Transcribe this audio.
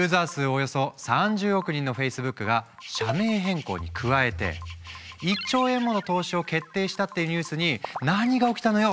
およそ３０億人のフェイスブックが社名変更に加えて１兆円もの投資を決定したっていうニュースに何が起きたのよ？